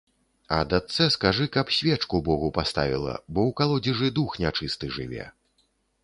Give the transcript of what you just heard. А дачцэ скажы, каб свечку богу паставіла, бо ў калодзежы дух нячысты жыве.